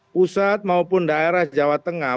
pusat maupun daerah jawa tengah